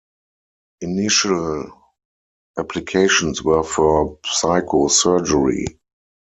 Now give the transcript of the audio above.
Initial applications were for psychosurgery.